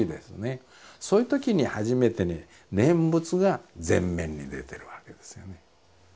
そのときに初めてね念仏が前面に出てるわけですよね。